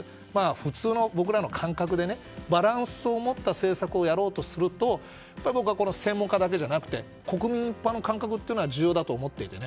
普通の僕らの感覚でバランスを持った政策をやろうとすると僕は専門家だけじゃなくて国民一般の感覚が重要だと思ってて。